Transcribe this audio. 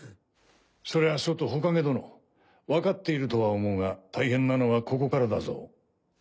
それはそうと火影殿わかっているとは思うが大変なのはここからだぞ。